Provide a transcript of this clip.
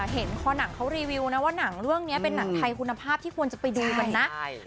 เห็นคอหนังเขารีวิวนะว่าหนังเรื่องนี้เป็นหนังไทยคุณภาพที่ควรจะไปดูมันนะ